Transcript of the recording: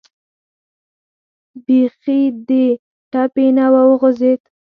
بیخي د ټپې نه و غورځېد.